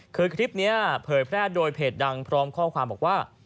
คือคลิปนี้เผยแพร่โดยเพจดังพร้อมข้อความบอกว่า